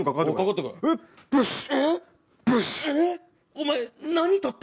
お前何取った！？